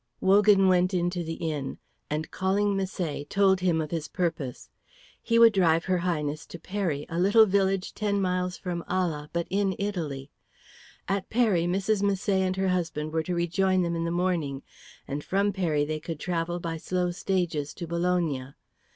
Wogan went into the inn, and calling Misset told him of his purpose. He would drive her Highness to Peri, a little village ten miles from Ala, but in Italy. At Peri, Mrs. Misset and her husband were to rejoin them in the morning, and from Peri they could travel by slow stages to Bologna.